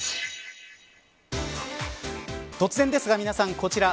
突然ですが、皆さんこちら。